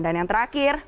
dan yang terakhir